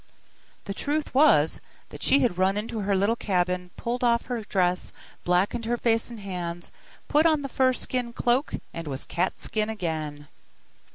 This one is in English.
The truth was, that she had run into her little cabin, pulled off her dress, blackened her face and hands, put on the fur skin cloak, and was Cat skin again.